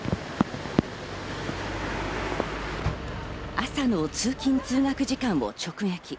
朝の通勤・通学の時間を直撃。